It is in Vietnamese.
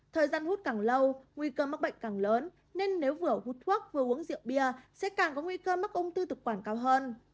thời gian hút càng lâu nguy cơ mắc bệnh càng lớn nên nếu vừa hút thuốc vừa uống rượu bia sẽ càng có nguy cơ mắc ung thư tự quản cao hơn